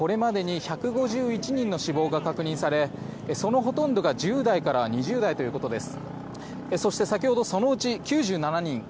韓国消防によりますとこれまでに１５１人の死亡が確認されそのほとんどが１０代から２０代ということです。